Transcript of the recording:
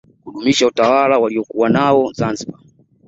kudumisha utawala waliokuwa nao zanziba